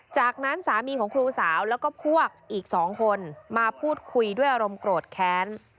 จากนั้นสามีของครูสาวแล้วก็พวกอีก๒คนมาพูดคุยด้วยอารมณ์โกรธแค้น